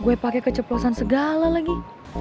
gue pakai keceplosan segala lagi